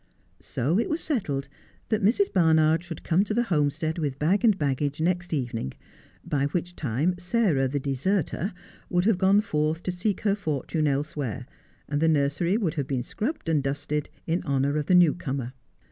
So it was settled that Mrs. Barnard should come to the Homestead with bag and baggage next evening, by which time Sarah the deserter would have gone forth to seek her fortune elsewhere, and the nursery would have been scrubbed and dusted in honour of the new comer.